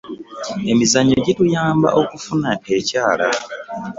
emizannyo gituyambye okufuna akyaala